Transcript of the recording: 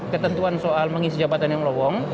ketentuan soal mengisi jabatan yang lowong